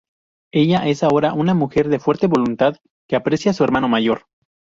Ella es ahora una mujer de fuerte voluntad que aprecia su hermano mayor.